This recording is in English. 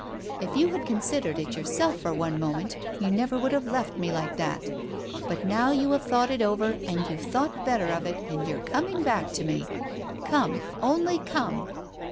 If you had considered it yourself for one moment you never would have left me like that. But now you have thought it over, and you've thought better of it, and you are coming back to me I Come, only come